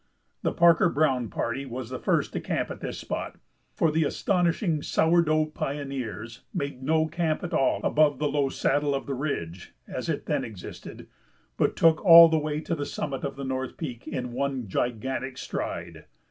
The Parker Browne party was the first to camp at this spot, for the astonishing "sourdough" pioneers made no camp at all above the low saddle of the ridge (as it then existed), but took all the way to the summit of the North Peak in one gigantic stride.